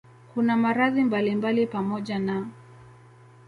Kuna maradhi mbalimbali pamoja na